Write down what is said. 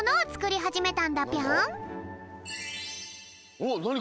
おっなに？